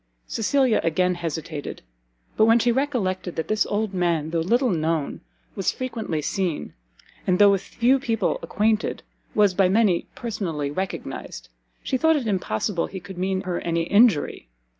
Cecilia again hesitated; but when she recollected that this old man, though little known, was frequently seen, and though with few people acquainted, was by many personally recognized, she thought it impossible he could mean her any injury.